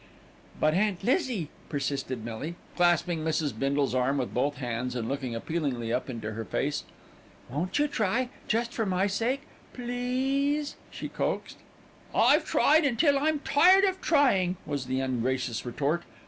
"But, Aunt Lizzie," persisted Millie, clasping Mrs. Bindle's arm with both hands, and looking appealingly up into her face, "won't you try, just for my sake, pleeeeeease," she coaxed. "I've tried until I'm tired of trying," was the ungracious retort.